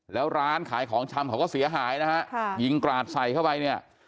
แล้วร้านขายของชำเขาก็เสียหายนะฮะยิงกราดใส่เข้าไปเนี่ย